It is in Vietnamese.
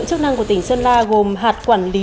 chức năng của tỉnh sơn la gồm hạt quản lý